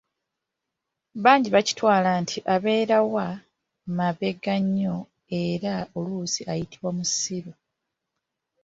Bangi bakitwala nti abeera wa "mabega nnyo" era oluusi ayitibwa "musilu".